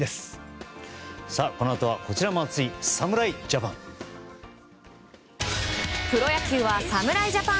このあとはこちらも熱い侍ジャパン。